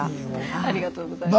ありがとうございます。